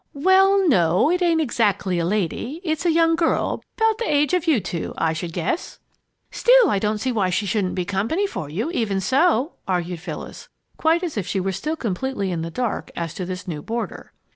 "Well, no, it ain't exactly a lady it's a young girl 'bout the age of you two, I should guess." "Still, I don't see why she shouldn't be company for you, even so," argued Phyllis, quite as if she were still completely in the dark as to this new boarder.